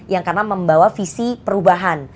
yang karena membawa visi perubahan